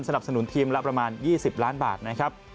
สนุนทีมละประมาณ๒๐ล้านบาทนะครับ